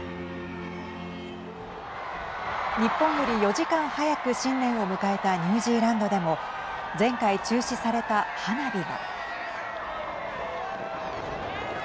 日本より４時間早く新年を迎えたニュージーランドでも前回中止された花火が。